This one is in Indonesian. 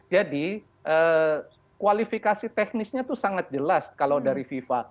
jadi kualifikasi teknisnya itu sangat jelas kalau dari viva